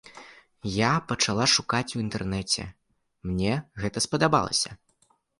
Я пачала шукаць у інтэрнэце, мне гэта спадабалася.